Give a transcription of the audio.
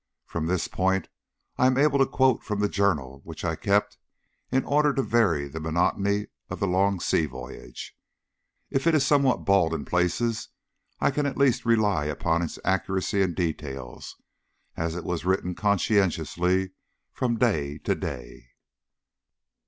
From this point I am able to quote from the journal which I kept in order to vary the monotony of the long sea voyage. If it is somewhat bald in places I can at least rely upon its accuracy in details, as it was written conscientiously from day to day.